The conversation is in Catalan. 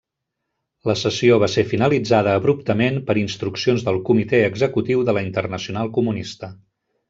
La sessió va ser finalitzada abruptament per instruccions del Comitè Executiu de la Internacional Comunista.